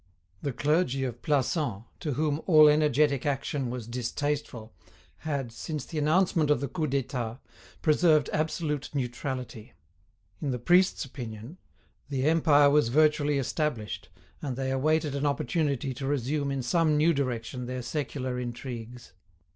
The clergy of Plassans, to whom all energetic action was distasteful, had, since the announcement of the Coup d'État, preserved absolute neutrality. In the priests' opinion the Empire was virtually established, and they awaited an opportunity to resume in some new direction their secular intrigues.